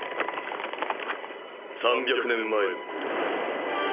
３００年前のことだ。